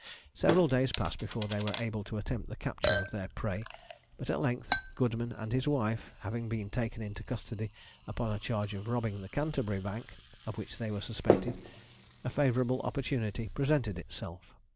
Several days passed before they were able to attempt the capture of their prey; but at length, Goodman and his wife having been taken into custody upon a charge of robbing the Canterbury bank, of which they were suspected, a favourable opportunity presented itself.